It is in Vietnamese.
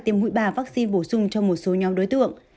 tiêm mũi ba vaccine bổ sung cho một số nhóm đối tượng